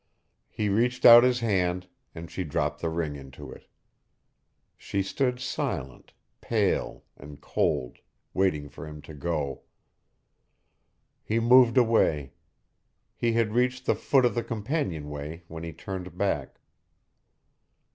He reached out his hand, and she dropped the ring into it. She stood silent, pale, and cold, waiting for him to go. He moved away. He had reached the foot of the companionway when he turned back.